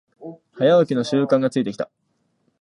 早起きの習慣がついてきた